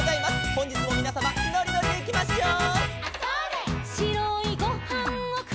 「ほんじつもみなさまのりのりでいきましょう」